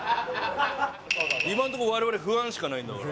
今んとこわれわれ不安しかないんだから。